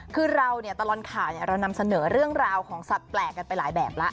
คือเราเนี่ยตลอดข่าวเรานำเสนอเรื่องราวของสัตว์แปลกกันไปหลายแบบแล้ว